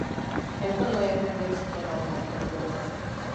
Esto no es meterse con la homosexualidad.